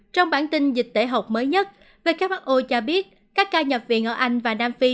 trong bản tin dịch tễ học mới nhất who cho biết các ca nhập viện ở anh và nam phi